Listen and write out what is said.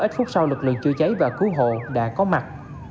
ít phút sau lực lượng chữa cháy và cứu hộ đã có mặt